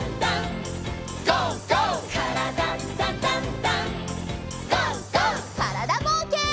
からだぼうけん。